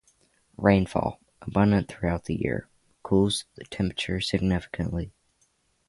Rainfall, abundant throughout the year, cools the temperature significantly.